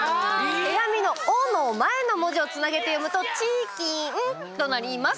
手紙の「お」の前の文字をつなげて読むと「ちきん」となります。